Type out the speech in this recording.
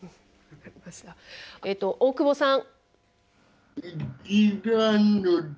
大久保さん。